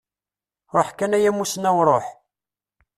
Ruḥ kan a yamusnaw ruḥ!